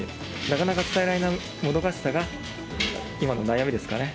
なかなか伝えられないもどかしさが今の悩みですかね。